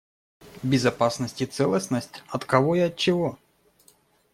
Безопасность и целостность от кого и от чего?